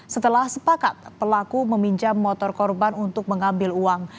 setelah sepakat pelaku meminjam motor korban untuk mengambil uang